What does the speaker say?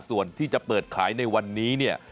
ส่วนที่จะเปิดขายในวันนี้เนี่ย